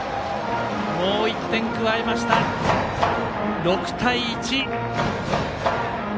もう１点加えました、６対１。